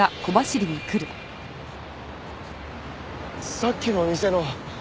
さっきの店の。